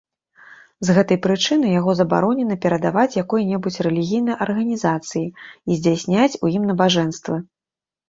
З гэтай прычыны яго забаронена перадаваць якой-небудзь рэлігійнай арганізацыі і здзяйсняць у ім набажэнствы.